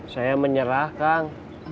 saya menyerah kang